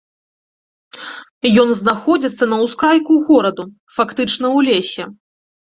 Ён знаходзіцца на ўскрайку гораду, фактычна ў лесе.